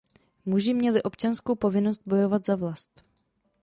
Muži měli občanskou povinnost bojovat za vlast.